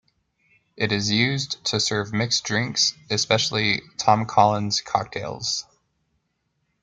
It is used to serve mixed drinks, especially Tom Collins cocktails.